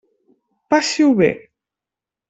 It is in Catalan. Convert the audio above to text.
Passi-ho bé.